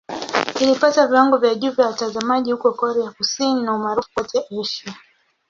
Ilipata viwango vya juu vya watazamaji huko Korea Kusini na umaarufu kote Asia.